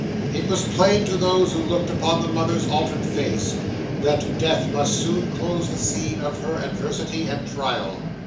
'It was plain to those who looked upon the mother's altered face, that death must soon close the scene of her adversity and trial.